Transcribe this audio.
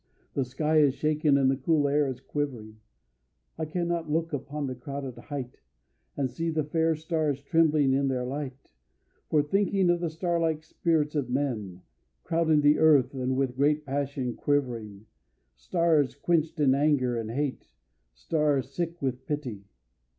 The sky is shaken and the cool air is quivering. I cannot look up to the crowded height And see the fair stars trembling in their light, For thinking of the starlike spirits of men Crowding the earth and with great passion quivering: Stars quenched in anger and hate, stars sick with pity.